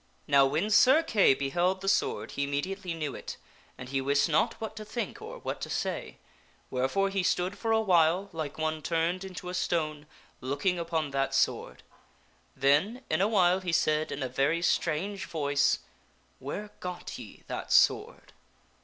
Now when Sir Kay beheld the sword he immediately knew it, and he wist not what to think or what to say, wherefore he stood for a while, like one turned into a stone, looking upon that sword. Then in awhile he said, in a very strange voice " Where got ye that sword?"